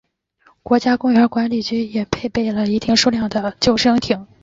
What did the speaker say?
国家公园管理局也配备了一定数量的救生艇。